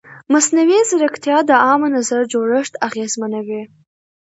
مصنوعي ځیرکتیا د عامه نظر جوړښت اغېزمنوي.